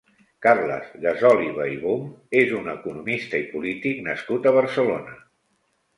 Carles Gasòliba i Böhm és un economista i polític nascut a Barcelona.